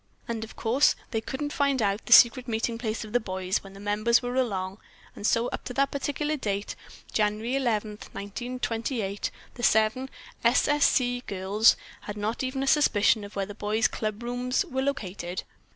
And, of course, they couldn't find out the secret meeting place of the boys when the members were along, and so up to that particular date, January 11, 1928, the seven "S. S. C." girls had not even a suspicion of where the boys' clubrooms were located.